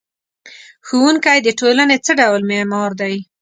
ښوونکی د ټولنې څه ډول معمار دی؟